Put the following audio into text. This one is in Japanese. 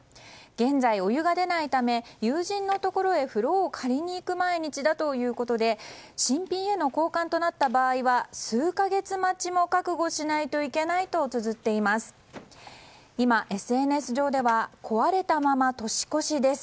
現在、お湯が出ないため友人のところへ風呂を借りにいく毎日だということで新品への交換となった場合は数か月待ちも覚悟しないといけないとつづっています。